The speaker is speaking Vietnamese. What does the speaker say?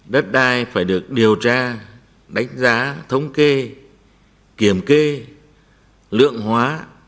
đất đai phải được điều tra đánh giá thống kê kiểm kê lượng hóa